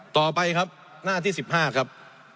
ต่อไปครับหน้าที่๑๕ครับ